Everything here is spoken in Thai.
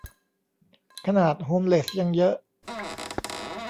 ขนาดโฮมเลสยังเยอะ